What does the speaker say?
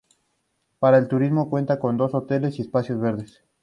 Para el turismo cuenta con dos hoteles y espacios verdes.